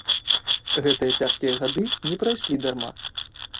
Гэтыя цяжкія гады не прайшлі дарма!